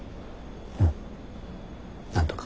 うんなんとか。